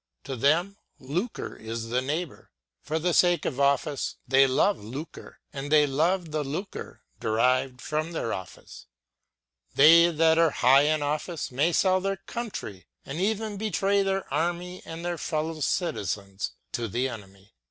To them lucre is the neighbor. For the sake of office they love lucre, and they love the lucre derived from their office. They that are high in office may sell their country, and even betray their array and their fellow citizens to the enemy.